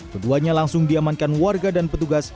keduanya langsung diamankan warga dan petugas